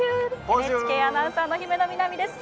ＮＨＫアナウンサー姫野美南です。